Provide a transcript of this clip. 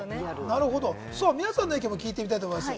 なるほど、皆さんの意見も聞いてみたいと思います。